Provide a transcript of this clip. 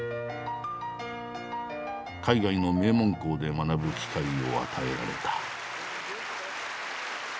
海外の名門校で学ぶ機会を与えられた。